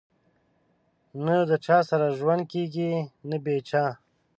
نه د چا سره ژوند کېږي نه بې چا